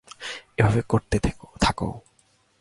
এভাবে করতে থাকো।